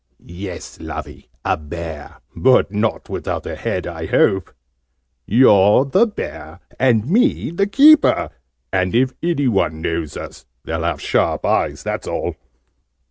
"Yes, Lovey, a Bear: but not without a head, I hope! You're the Bear, and me the Keeper. And if any one knows us, they'll have sharp eyes, that's all!"